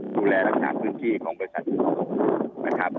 ดูแลรักษาพื้นที่ของบริษัท